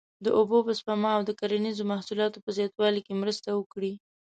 د اوبو په سپما او د کرنیزو محصولاتو په زیاتوالي کې مرسته وکړي.